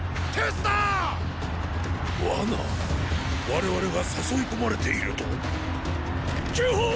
我々が誘い込まれていると⁉急報！！